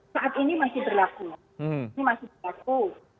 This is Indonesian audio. saat ini masih berlaku ini masih berlaku